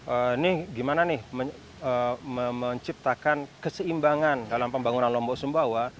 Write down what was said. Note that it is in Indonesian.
ini gimana nih menciptakan keseimbangan dalam pembangunan lombok sumbawa